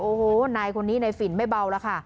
โอ้โหนายคนนี้ในฝิ่นไม่เบาแล้วค่ะ